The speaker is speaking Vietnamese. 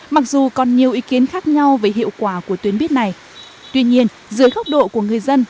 mặc dù còn nhiều ý kiến khác nhau về hiệu quả của tuyến buýt này tuy nhiên dưới góc độ của người dân